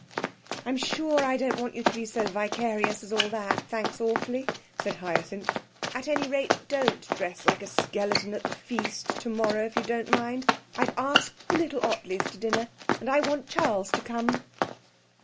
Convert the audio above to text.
'I'm sure I don't want you to be so vicarious as all that thanks awfully,' said Hyacinth. 'At any rate, don't dress like a skeleton at the feast tomorrow, if you don't mind. I've asked the little Ottleys to dinner and, I want Charles to come.'